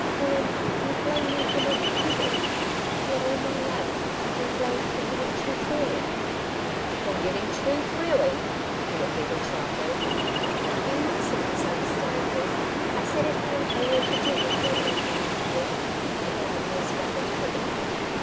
Colin, you blame me for not GIVING; yet, all my life, I've been blamed for giving too freely.' 'For giving too freely!' He repeated sharply. 'You mustn't misunderstand me. I said it hadn't only to do with men making love to me my ideas about a different life.